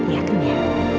ya kan ya